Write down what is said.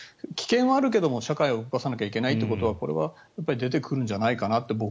危険はあるけども社会を動かさなきゃいけないということはこれは出てくるんじゃないかなって